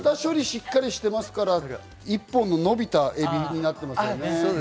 しっかりしてますから一本の伸びたエビになってますよね。